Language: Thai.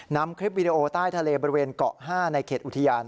นำคลิปวิดีโอใต้ทะเลบริเวณเกาะ๕ในเขตอุทยาน